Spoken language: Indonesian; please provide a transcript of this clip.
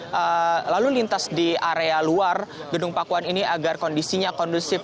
jadi lalu lintas di area luar gedung pakuan ini agar kondisinya kondusif